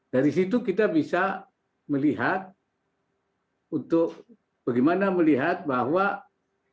dari situ kita bisa melihat untuk bagaimana melihat bahwa potensi yang besar ini